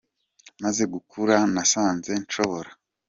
Maze gukura, nasanze nshobora.